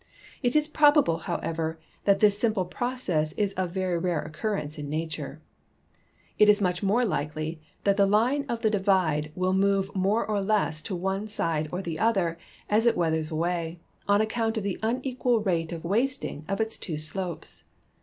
It is probable, however, that this sini[)le process is of very rare occur rence in nature. It is much more likely that the line of the 196 THE SEINE, THE MEUSE, AND THE MOSELLE divide will move more or less to one side or the other as it weathers away, on account of the unequal rate of wasting of its two slopes.